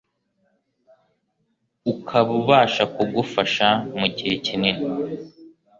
ukaba ubasha kugufasha mugihe kinini